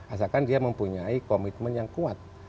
asalkan dia mempunyai komitmen yang kuat